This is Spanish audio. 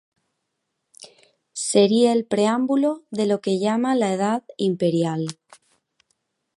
Sería el preámbulo de lo que llama la Edad Imperial.